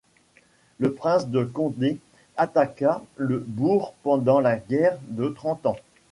Le prince de Condé attaqua le bourg pendant la guerre de Trente Ans.